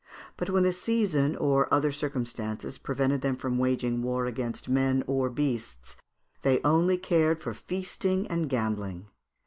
But when the season or other circumstances prevented them from waging war against men or beasts, they only cared for feasting and gambling.